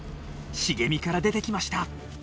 茂みから出てきました。